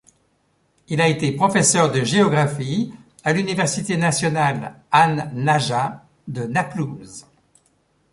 Il a été professeur de géographie à l'université nationale An-Najah de Naplouse.